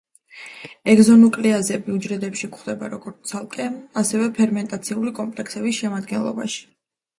ეგზონუკლეაზები უჯრედებში გვხვდება, როგორც ცალკე, ასევე ფერმენტაციული კომპლექსების შემადგენლობაში.